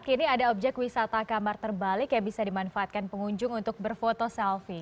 kini ada objek wisata kamar terbalik yang bisa dimanfaatkan pengunjung untuk berfoto selfie